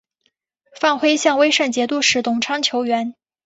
范晖向威胜节度使董昌求援。